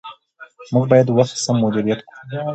موږ باید وخت سم مدیریت کړو